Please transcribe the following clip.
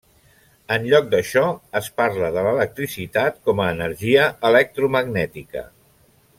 En lloc d'això es parla de l'electricitat com a energia electromagnètica.